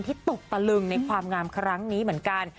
ตกตะลึงในความงามครั้งนี้เหมือนกัน